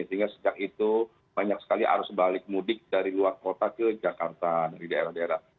sehingga sejak itu banyak sekali arus balik mudik dari luar kota ke jakarta dari daerah daerah